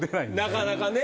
なかなかね。